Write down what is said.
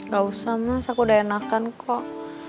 gak usah mas aku udah enakan kok